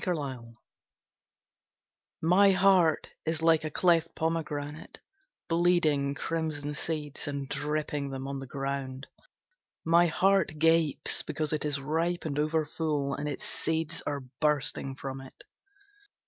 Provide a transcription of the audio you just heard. Miscast II My heart is like a cleft pomegranate Bleeding crimson seeds And dripping them on the ground. My heart gapes because it is ripe and over full, And its seeds are bursting from it.